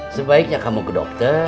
sebaiknya kamu ke dokter